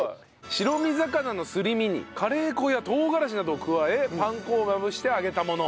白身魚のすり身にカレー粉や唐辛子などを加えパン粉をまぶして揚げたもの。